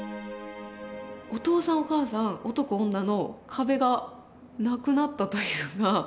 お父さんお母さん男女の壁がなくなったというか。